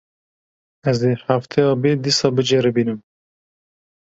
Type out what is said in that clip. Ez ê hefteya bê dîsa biceribînim.